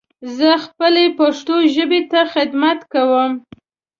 زه خپلې پښتو ژبې ته خدمت کوم.